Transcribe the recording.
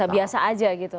biasa aja gitu